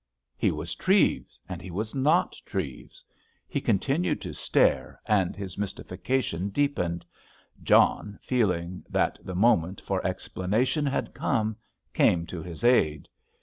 He was Treves, and he was not Treves. He continued to stare and his mystification deepened. John, feeling that the moment for explanation had come, came to his aid.